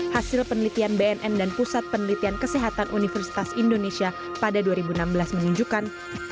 hasil penelitian bnn dan pusat penelitian kesehatan universitas indonesia pada dua ribu enam belas menunjukkan